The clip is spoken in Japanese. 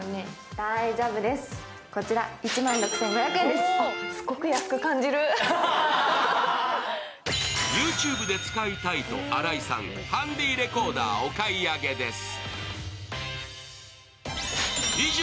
ＹｏｕＴｕｂｅで使いたいと新井さん、ハンディレコーダーお買い上げです。